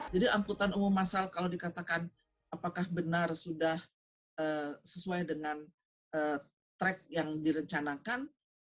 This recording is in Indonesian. jadi amputan umum masal kalau dikatakan apakah benar sudah sesuai dengan track yang direncanakan